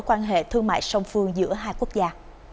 quan hệ thương mại song phương giữa hai quốc gia